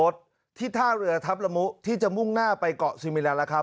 ที่ท่าเรือทัพละมุที่จะมุ่งหน้าไปเกาะซีมิแลนแล้วครับ